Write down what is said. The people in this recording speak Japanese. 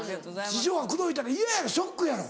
師匠が口説いたら嫌やろショックやろ？